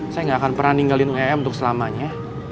saya nggak akan pernah ninggalin em untuk selamanya